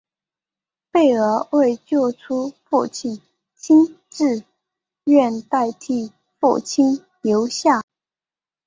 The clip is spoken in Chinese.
贝儿为救出父亲自愿代替父亲留下。